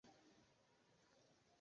Ofte ili povas vivi ĝis tri jaroj.